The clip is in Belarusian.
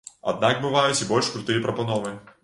Аднак бываюць і больш крутыя прапановы.